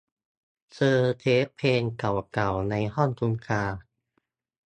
เจอเทปเพลงเก่าเก่าในห้องคุณตา